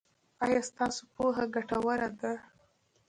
ایا ستاسو پوهه ګټوره ده؟